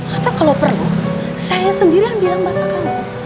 atau kalau perlu saya sendiri yang bilang bapak kamu